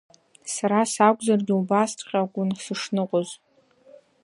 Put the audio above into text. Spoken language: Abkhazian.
Сара сакәзаргьы убасҵәҟьакәын сышныҟәоз.